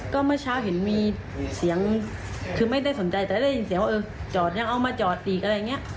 ก็เมื่อเช้าเห็นมีเสียงคือไม่ได้สนใจแต่ได้ยินเสียงว่าเออจอดยังเอามาจอดอีกอะไรอย่างนี้